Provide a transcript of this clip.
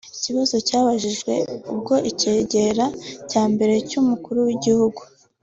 Iki kibazo cyabajijwe ubwo icyegera cya mbere cy’umukuru w’igihugu